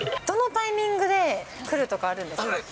どのタイミングでくるとかあるんですか？